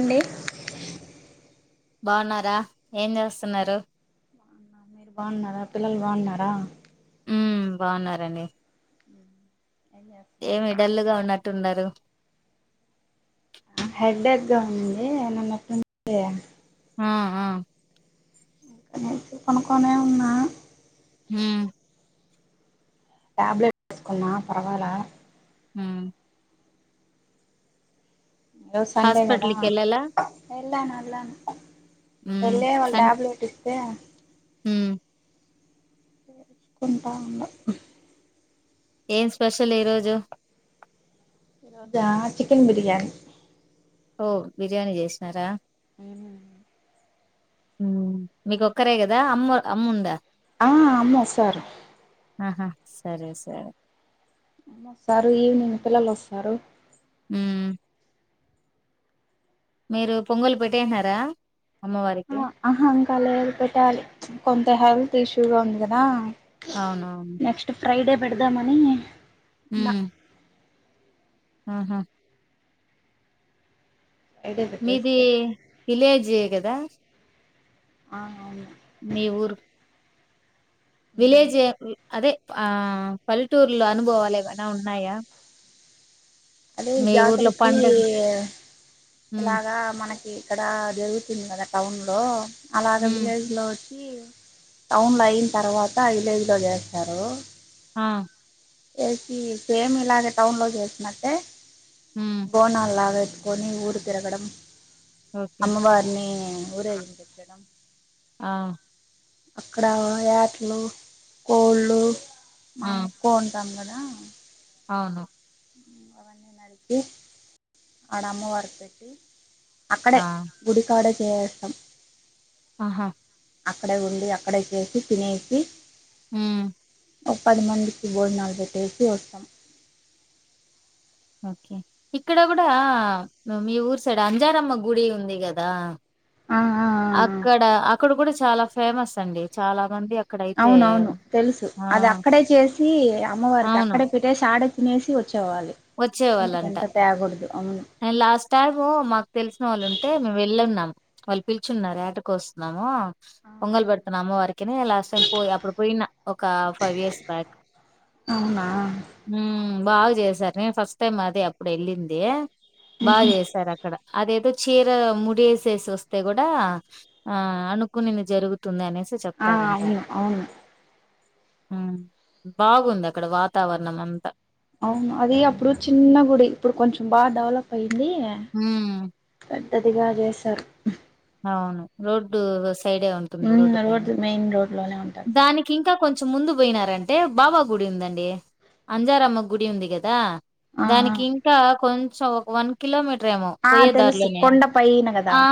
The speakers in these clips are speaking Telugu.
అండి బాగున్నారా ఏం చేస్తున్నారు మీరు బాగున్నారా పిల్లలు బాగున్నారా ఉమ్మ్ బాగున్నారండి ఏం చేస్తున్నారు ఏమి మీరు డల్లుగా ఉన్నట్టు ఉన్నారు హెడేక్‌గా ఉంది నిన్నటి నుం చి మ్మ్ఉహ్మ్ నైట్ పనుక్కొనే ఉన్నా ఉమ్మ్ టాబ్లెట్ ఏసుకున్నా పర్వాల ఉమ్మ్ ఈరోజు సండే కదా హాస్పిటల్కి వెళ్ళాలా ఎళ్లాను అళ్లాను ఉమ్ ఎళ్లి వాళ్ళు ట్యాబ్లెట్ ఇస్తే ఉమ్మ్ కుంటా ఉండా ఏం స్పెషల్ ఈరోజు అదా చికెన్ బిర్యానీ ఓ బిర్యానీ చేసినారా ఉమ్మ్ ఉమ్మ్ మీకు ఒక్కరే కదా అమ్మ అమ్ముందా ఆ అమ్మ వసారు ఆహా సరే సరే మా సారు ఈవినింగ్ పిల్లలు వస్తారు ఉమ్మ్ మీరు పొంగలు పెట్టేసినారా అమ్మవారికి ఆహా ఇంకా లేదు పెట్టాలి కొంత హెల్త్ ఇష్యూగా ఉంది కదా అవునవును నెక్స్ట్ ఫ్రైడే పెడదామని ఉన్నా ఉమ్మ్ ఆహా ఐడే మీది పెట్టేస్తారు విలేజే కదా ఆ అవును మీ ఊరు ఉమ్. విలేజే అదే ఆ పల్లెటూరులో అనుభవాలు ఏవైనా ఉన్నాయా అదే మీ ఊర్లో జాతరకి పండగ హ్మ్ ఇలాగా మనకి ఇక్కడ జరుగుతుంది కదా టౌన్‌లో అలాగ హ్మ్ విలేజ్లో టౌన్‌లో అయిన తర్వాత విలేజ్లో చేస్తారు ఆ చేసి సేమ్ ఇలాగే టౌన్లో చేసినట్టే ఉమ్మ్ బోనాలగా ఎత్తుకొని ఊరు తిరగడం ఓకే అమ్మవారిని ఊరేగించచ్చడం ఆ అక్కడ వేట్లు కోళ్ళు మా ఆ కోంటాం కదా అవును అవన్నీ వారికి ఆడ అమ్మ వారు పెట్టి అక్కడే ఆ గుడి కాడే చేస్తాం ఆహా అక్కడే ఉండి అక్కడే చేసి తినేసి హమ్ ఒక పది మందికి బోజనాలు పెట్టేసి వచ్చాం ఓకే ఇక్కడ కూడా మీ ఊరు సైడ్ అంజారమ్మ గుడి ఉంది కదా ఆ ఆ ఆ అక్కడ అక్కడ కూడా చాలా ఫేమస్ అండి చాలా మంది అ అవునవును తెలుసు అది అక్కడే చేసి అమ్మవారికి అవును అక్కడే పెట్టి అంటే చేసి ఆడే తినేసి వచ్చేవాలి ఇంటికి ఎంత తేగకూడదు అవును అ లాస్ట్ టైమ్ మాకు తెలిసిన వాళ్ళు ఉంటే మేము వెళ్ళన్నాము వాళ్ళు పిలుచున్నారు వేట కోస్తున్నాము పొంగల్ పెడుతున్నా అమ్మ వారికినే లాస్ట్ టైం పోయి అప్పుడు పోయిన ఒక ఫైవ్ ఇయర్స్ బ్యాక్ అవునా ఉమ్ బాగా చేశారు నేను ఫస్ట్ టైమ్ అది అప్పుడు వెళ్ళింది బాగా చేశారు అక్క డ అదేదో చీర ముడిసేసి వస్తే కూడా ఆ అనుకునిది జరుగు తుంది అనేసి ఆ చెప్తారంటాడు అవును అవును ఉమ్ బాగుంది అక్కడ వాతావరణం అంతా అవును అది అప్పుడు చిన్న గుడి ఇప్పుడు కొంచెం బాగా డెవలప్ అయింది హమ్ పెద్దదిగా చేసారు అవును రోడ్డు సైడే ఉంటుంది రోడ్డు పైన రోడ్ మెయిన్ రోడ్ లోనే ఉంటారు సైడ్ దానికి ఇంకా కొంచెం ముందు పోయినారంటే బాబా గుడి ఉందండి అంజారమ్మ గుడి ఉంది కదా ఆ దానికి ఆ ఇంకా కొంచెం ఒక వన్ కిలోమీటర్ ఏమో ఆ పోయే తెలుసు దారిలోనే. కొండపైన కదా ఆ!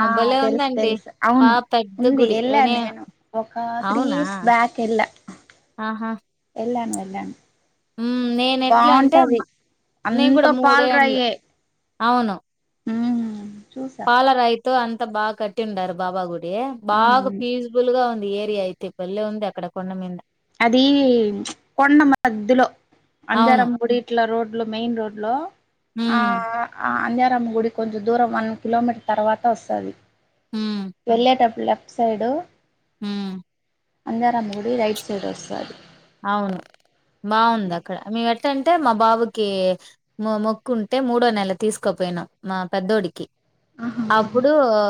ఆ భలే తెలుసు ఉందండి. తెలుసు బా అవును పెద్ద ఉంది గుడి. వెళ్ళా నే నేను ఒక త్రీ అవునా? ఇయర్స్ బ్యాక్ వెళ్ళా ఆహా ఎలానూ వెళ్ళాను ఉమ్ నేను ఎట్లా అంటే బాగుంటది నేను అంత కూడా మూడు ఏండ్లు పాలరాయే అవును ఉమ్ చూసి పాలరాయి తో అంతా బాగా కట్టి ఉండారు బాబా గుడి బాగా అవునవును పీజు బుల్గా ఉంది ఏరియా అయితే బళ్ళె ఉంది అక్కడ కొండ మీద అది కొండ మధ్యలో అవును. అంజారమ్మ గుడి ఇట్ల రోడ్ లో మైయిన్ రోడ్ లో ఆ హ్మ్. అంజరమ్మ గుడి కొంచెం దూరం వన్ కిలోమీటర్ తర్వాత వస్తది హమ్ వెళ్ళేటప్పుడు లెఫ్ట్ సైడ్ హమ్ అంజారమ్మ గుడి రైట్ సైడ్ వస్తది అవును బాగుంది అక్కడ మేము ఎట్టంటే మా బాబుకి మొ మొక్కు ఉంటే మూడో నెల తీసుకోపోయినాం మా పెద్దోడికి ఆహా అప్పుడు ఆ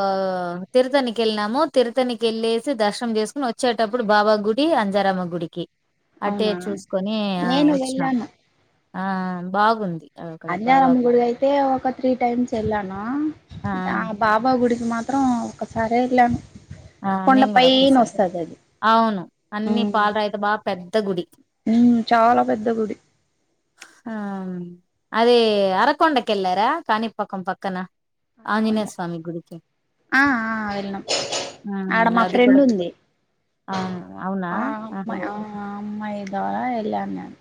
తిరుతనికి వెళ్ళినాము తిరుతనికి వెల్లెసి దర్శనం చేసుకుని వచ్చేటప్పుడు బాబా గుడి అంజారామ గుడికి అట్టే అవునా చూసుకొని ఆ నేను వచ్చినాం వెళ్ళాను ఆ బాగుంది అక్కడ బాబా అంజారం గుడి అయితే ఒక త్రీ టైమ్స్ వెళ్ళాను ఆ బాబా గుడికి మాత్రం ఒకసారే వెళ్ళాను ఆ కొండ నేను కూడా పైన ఒకేసారరే వస్తది అది అవును అన్ని పాలరాయితో బాగా పెద్ద గుడి ఉ చాలా పెద్ద గుడి ఆ అది అరకొండకెల్లరా కాణిపాకం పక్కన పారకొండ ఆంజనేయ స్వామి గుడికి ఆ వెల్లిన్నాం ఆడ హ్మ్. మా అది ఫ్రెండ్ కూడా ఉంది అవును అవునా ఆ ఆహా అమా అమ్మాయి ద్వారా వెళ్ళాను నేను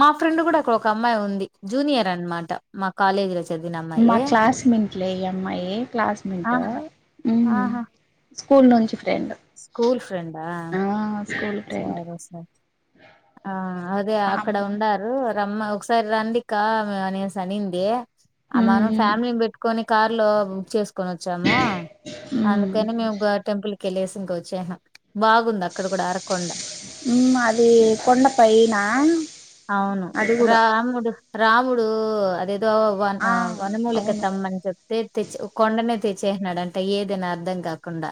మా ఫ్రెండ్ కూడా అక్కడ ఒక అమ్మాయి ఉంది జూనియర్ అనమాట మా కాలేజీలో మా చదివినమ్మాయే క్లాస్మేట్లే ఈ అమ్మాయి క్లాస్మేట్ ఉమ్ ఆహా స్కూల్ నుంచి ఫ్రెండ్ స్కూల్ ఫ్రెండ ఆ స్కూల్ ఫ్రెండ్ దోస్తులాం ఆ అదే ఆ అక్కడ ఉన్నారు రమ్మ ఒకసారి రండిక మేము అనేసి అనింది మనం ఉమ్ ఫ్యామిలీని పెట్టుకొని కార్ లో బుక్ చేసుకొని వచ్చాము అందుకని మేము గా టెంపుల్ కేళ్ళేసి ఇంక వచ్చేసినం బాగుంది అక్కడ కూడా అరకొం ఉ అది కొండ పైనా అవును రాముడు రాముడు అదే దొ ఆ వనమూలిక అవును తెమ్మ ని చెప్ తెచ్చి కొండనే తెచ్చేసినడంట ఏదనా అర్థం కాకుండా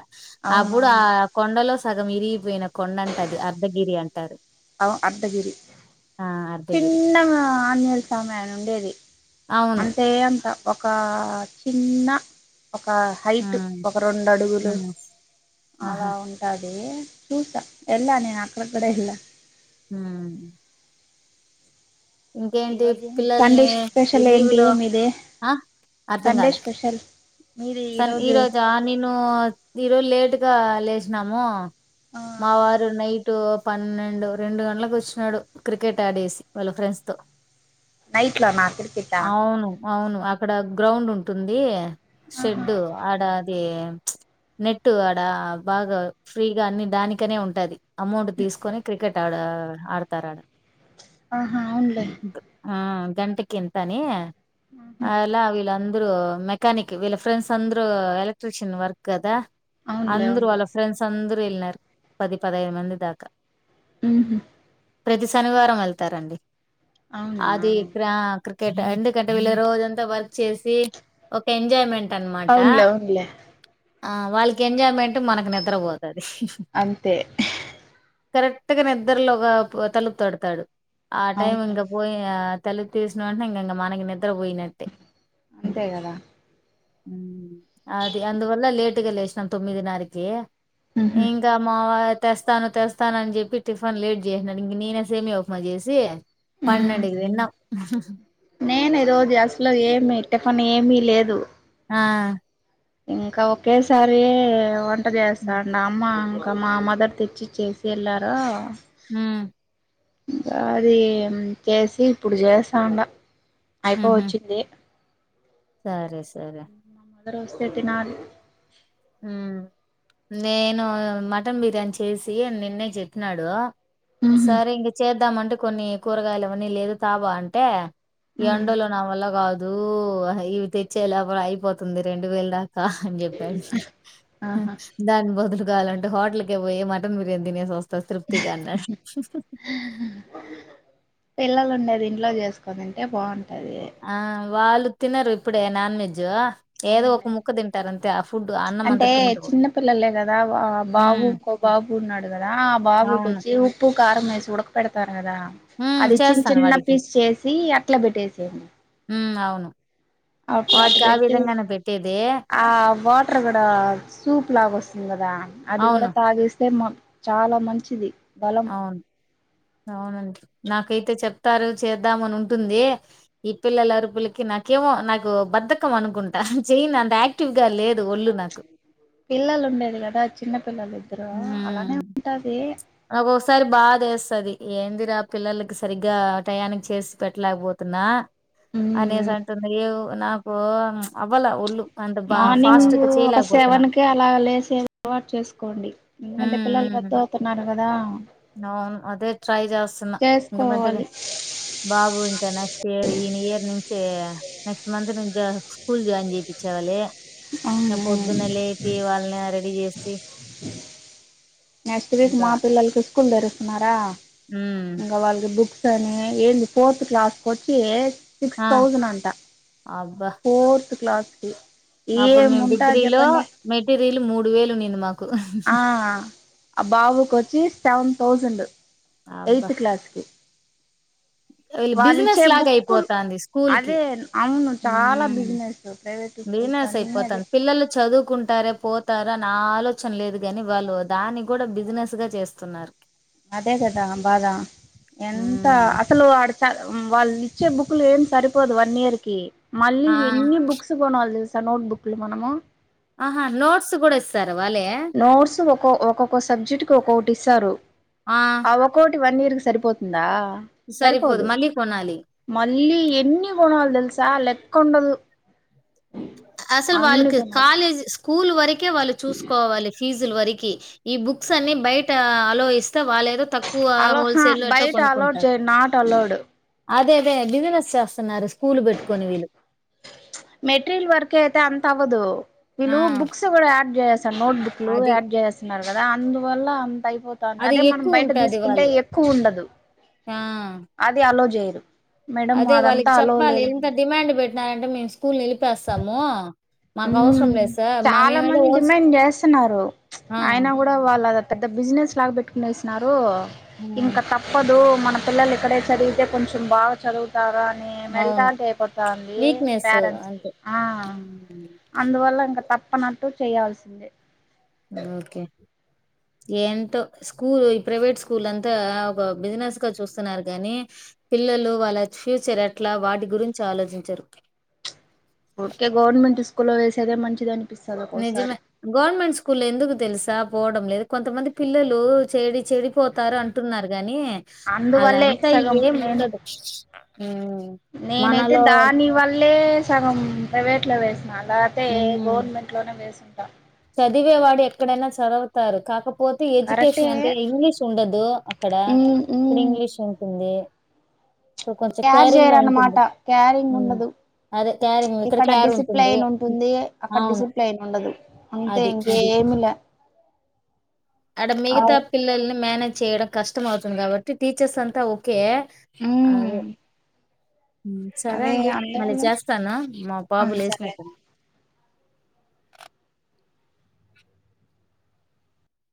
అప్పుడు ఆ అవునవును కొండలో సగం ఇరిగిపోయిన కొండ అంట అది అర్ధగిరి అంటారు అ అర్ధగిరి ఆ అర్ధగిరి చిన్న ఆంజనేయ స్వామి అని ఉండేది అవును అంతే అంత ఒక చిన్న ఒక హైట్ ఉమ్ ఒక రెండు అడుగులు ఉమ్ ఆహా అలా ఉం అది చూసా ఎల్ల నేను అక్కడ కూడా ఎల్ల హ ఈ ఇంకేంటి రోజు పిల్లల్ని సండే ఈ స్పెషల్ లీవ్ ఏంటి లో మీది ఆ అర్థం సండే కాలే స్పెషల్ మీది సన్ ఈ ఈరోజు రోజా నేను ఈరోజు లేట్గా లేసినాము ఆ మా వారు నైట్ పన్నెండు రెండు గంటలకు వచ్చినాడు క్రికెట్ ఆడేసి వాళ్ళ ఫ్రెండ్స్ తో నైట్లోనా క్రికెటా అవును అవును అక్కడ గ్రౌండ్ ఉంటుంది ఆహా షెడ్డు ఆడ అది నెట్టు అడ బాగా ఫ్రీగా అన్ని దానికనే ఉంటది అమౌంట్ తీసుకొని క్రికెట్ ఆడ ఆడతారు ఆడ ఆహా అవునులే ఆ గంటకింతని అలా వీళ్ళందరూ మెకనిక్ వీళ్ళ ఫ్రెండ్స్ అందరు ఎలక్ట్రిషియన్ వర్క్ కదా అవునులే అందరు అవునులే వాళ్ళ ఫ్రెండ్స్ అందరూ వెళ్ళినారు పది పదహేదు మంది దాకా ఉహు ప్రతి శనివారం వెళ్తారండి అవునా అది ఇక్కడ ఎందుకంటే వీళ్ళ రోజంతా వర్క్ చేసి ఒక ఎంజాయ్మెంట్ అనమాట అవునులే అవునులే ఆ వాళ్ళకి ఎంజాయ్మెంట్ మనకు నిద్రపోతది అంతే కరెక్ట్గా నిద్రలో ఒక తలుపు తడతాడు ఆ టైం అవును ఇంక పోయి తలుపు తీసిన అంటే ఇంకా ఇంక మనకి నిద్రపోయినట్టే అంతేగదా అది అందువల్ల లేటుగా లేసినాం తొమ్మిది నారకి ఉహు ఇంకా మావారు తెస్తాను తెస్తాను అని చెప్పి టిఫిన్ లేట్ చేసినడు ఇంక నేనే సేమ్యా ఉప్మా చేసి ఉమ్ పన్నెండికి తిన్నాం నేను ఈ రోజు అస్లు ఏమి టిఫన్ ఏమీ లేదు ఆ ఇంకా ఒకేసారి వంట చేస్తాండా అమ్మంకా ఒక మా మదర్ తెచ్చి ఇచ్చేసి వెళ్ళారు హ ఇంకా అది చేసి ఇప్పుడు చేస్తాండ అయిపో ఉహు వచ్చింది సరే సరే అందరూ వస్తే ఏటినాలు నేను మటన్ బిర్యానీ చేసి నిన్నే చెప్పినాడు ఉహు సరే ఇంక చేద్దామంటే కొన్ని కూరగాయలు ఇవన్నీ లేదు తపో అంటే ఈ ఉమ్ ఎండోలో నా వల్ల కాదు ఇవి తెచ్చే లోపల అయిపోతుంది రెండు వేల దా కా అని చెప్పాడు ఆహా దాని బదులు కావాలంటే హోటల్కే పోయి మటన్ బిర్యానీ తినేసి వ స్తా తృప్తిగా అన్నాడు పిల్లలు ఉండేది ఇంట్లో చేసుకోనింటే బాగుంటది ఆ వాళ్ళు తినరు ఇప్పుడే నాన్ వెెజ్ అవునలే అన్నం అంటే అంతా తినరు చిన్న పిల్లలే కదా హ్మ్ బాబుకు బాబు ఉన్నాడు కదా ఆ బాబుకి అవును వచ్చి ఉప్పు కారం వేసి ఉడక పెడతారు కదా హ్మ్ అది చిన్న చేస్తాను చిన్న వాడికి పీస్ చేసి అట్లా పెట్టేసేయండి ఉ అవును అప్పుడు అటు వాడికి ఆ పెడితే విధంగానే పెట్టేది ఆ వాటర్ కూడా సూప్ లాగ వస్తుంది కదా అది అవును. కూడా తాగేస్తే చాలా మంచిది బలం అవును అవునండి నాకైతే చెప్తారు చేద్దామని ఉంటుంది ఈ పిల్లల అరుపులకి నాకేమో నాకు బద్ద్దకం అనుకుంటా చేయను అంత ఆ క్టివ్ గా లేదు ఒళ్ళు నాకు పిల్లలు ఉండేది కదా చిన్న పిల్లలు ఇద్దరు హ అలానే ఉంటది నాకొసారి బాదేస్తది ఏందిరా పిల్లలకి సరిగ్గా టయానికి చేసి పెట్టలేకపోతున్నా అనేసి మ్మ్ అంటుంది ఏ నాకు అవ్వల ఒళ్ళు అంటే బా ఫాస్ట్ గా చేయలేకపోతున్నా ఇగా అలా లేసే అలవాటు చేసుకోండి ఎందుకంటే హ్మ్. పిల్లలు పెద్దగా హ్మ్. అవుతున్నారు కదా అవును అదే ట్రై చేస్తున్నా ఆటోమెటిక్గా చేసుకోవాలి బాబు ఇంకా నెక్స్ట్ ఇయర్ ఈ ఇయర్ నుంచి నెక్స్ట్ మంత్ నుంచ స్కూల్ జాయిన్ చేయిపిచ్చావాలి పొద్దున్న లేపి వాళ్ళని రెడీ చేసి నెక్స్ట్ వీక్ ఇంకా మా పిల్లలకి స్కూల్ తెరుస్తున్నారా ఉమ్ ఇంకా వాళ్ళకి బుక్స్ [inaudible] ఫోర్త్ క్లాస్కి వచ్చి సిక్స్ ఆ థౌజండ్ అంట అబ్బా ఫోర్త్ క్లాస్కి అప్పుడు మేము ఏముంటాది డిగ్రీలో చెప్పండి మెటీరియల్ మూడు వేలు ఉన్నింది మాకు ఆ ఆ బాబుకు వచ్చి సెవెన్ థౌజండ్ అబ్బా ఎయిత్ క్లాస్ కి వీళ్ళు వాళ్ళు ఇచ్చే బిజినెస్ లాగా బుక్కులు అయిపోతాంది స్కూల్ కి అదే అవును చాలా బిజినెస్ ప్రైవేట్ స్కూల్స్ బిగినర్స్ అన్నీ అదే అయిపోతారు పిల్లలు చదువుకుంటారే పోతారు అని ఆ ఆలోచన లేదు కాని వాళ్ళు దాన్ని కూడా బిజినెస్ గా చేస్తున్నారు అదే కదా బాధ ఎంత ఉమ్ అసలు [inaudible] వాళ్ళు ఇచ్చే బుక్లు ఏం సరిపోదు వన్ ఇయర్ కి మళ్ళీ ఆ ఎన్ని బుక్స్ [unintelligible] నోట్ బుక్లు మనము అహ నోట్స్ కూడా ఇస్తారు వాళ్ళే నోట్స్ ఒకొ ఒక్కొక్క సబ్జెక్ట్ కి ఒక్కొక్కటి ఇస్తారు ఆ ఒ క్కోటి వన్ ఇయర్ కి సరిపోతుందా సరిపోదు మళ్ళీ కొనాలి మళ్ళీ ఎన్ని కొనాలి తెలుసా లెక్కుండదు అసలు వాళ్ళకి కొనాలి కాలేజీ స్కూల్ వరకే వాళ్ళు చూసుకోవాలి ఫీజు వరకి ఈ బుక్స్ అన్ని బయట అలో ఇస్తే వాళ్ళేదో తక్ క్కువ అలో హా హోల్సేల్లో ఎటో బయట అలౌడ్ కొనుకుంటారు చేయరు నాట్ అలౌడ్ అదే అదే బిజినెస్ చేస్తున్నారు స్కూల్ పెట్టుకొని వీళ్ళు మెట్రీల్ వర్క్ అయితే అంత అవదు ఆ! వీళ్ళు బుక్స్ కూడా యాడ్ చేస్తారు నోట్ బుక్ లు అది. యాడ్ చేస్తున్నారు కదా అందువల్ల అంత అయిపో తాంది అది అదే మనం బయట ఎక్కువుంటది తీసుకుంటే వాళ్ళు. ఎక్కువ ఉండదు ఆ అది అలో చేయరు మేడం అదే అదంతా వాళ్ళకి అలో చెప్పాలి లేదు ఇంత డిమాండ్ పెట్టినారంటే మేము స్కూల్ ని నిలిపేస్తాము మ్మ్ మాకవసరం లేదు సార్. మా చాలా మేమేదో మంది హోల్స్ డిమాండ్ చేస్తున్నారు ఆ! అయినా కూడా వాళ్ళదంత పెద్ద బిజినెస్ లాగా పెట్టుకునేసినారు హ్మ్. ఇంకా తప్ ప్పదు మన పిల్లలు ఇక్కడే చదివితే కొంచెం బాగా చదువు తారని అవును. మెల్టాల్టీ అయిపోతాంది పేరెంట్స్ కి ఆ మ్మ్ అందువల్ల ఇంక తప్పనట్టు చేయాల్సిందే ఓకే ఏంటో స్కూల్ ఈ ప్రైవేట్ స్కూల్ అంతా ఒక బిజినెస్ గా చూస్తున్నారు కానీ పిల్లలు వాళ్ళ ఫ్యూచర్ ఎట్లా వాటి గురించి ఆలోచించరు ఓకే గవర్నమెంట్ స్కూల్లో లో వేసేదే మంచిదాని నిజమే గవర్నమెంట్ స్కూల్ ఎందుకు తెలుసా పోవడం లేదు కొంతమంది పిల్లలు చెడి చెడి పోతారు అం టున్నారు కాని అందువల్లే అలంతా సగం ఏం నేను ఉండదు నేనైతే మనలో దాని వల్లే సగం ప్రైవేట్ లో వేసినా లేకపోతే ఉమ్ గవర్నమెంట్ [inaudible] చదివేవాడు ఎక్కడైనా చదువుతారు కాక పోతే కరెక్టే ఎడ్యుకేషన్ అంటే ఇంగ్లీష్ ఉండదు అక్కడ ఉమ్ ఇక్కడ ఇంగ్లీష్ ఉంటుంది ఇక్కడ కొంచెం కేరింగ్ గా క్యాషేరన్నమాట ఉంటుంది క్యారింగ్ ఉమ్ ఉండదు అదే క్యారింగ్ ఇక్కడ క్యార్ ఉంటుంది. డిసిప్లైన్ ఉంటుంది అక్కడ అవును. డిసిప్ ప్లైన్ ఉండదు అంతే అది. ఇంకేమిలే అడ మిగతా అవు పిల్లల్ని మేనేజ్ చేయడం కష్టం అవుతుంది కాబట్టి టీచర్స్ అంతా ఓకే ఉమ్ అదే సరే అదే అండి మళ్ళీ అందువల్ల చేస్తాను మా ఆ బాబు సరే లేచినట్టున్నాడు